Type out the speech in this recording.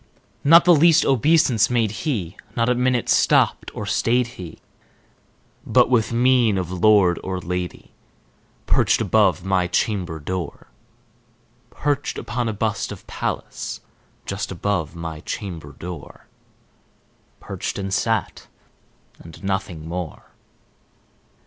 Not the least obeisance made he; not a minute stopped or stayed he; But, with mien of lord or lady, perched above my chamber door Perched upon a bust of Pallas just above my chamber door Perched, and sat, and nothing more.